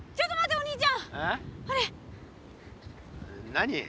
何？